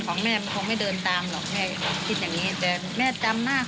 ถ้าไม่เป็นของแม่มันคงไม่เดินตามหรอก